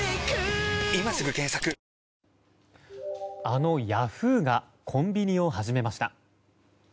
あのヤフーがコンビニを始めました。